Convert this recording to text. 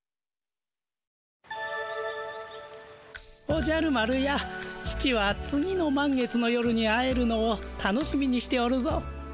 おじゃる丸や父は次のまん月の夜に会えるのを楽しみにしておるぞ。